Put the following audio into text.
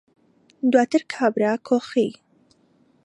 دواتر کابرا کۆخی